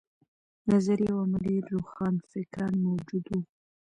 نظري او عملي روښانفکران موجود وو.